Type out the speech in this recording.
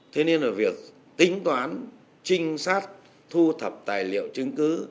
thế nên là việc tính toán trinh sát thu thập tài liệu chứng cứ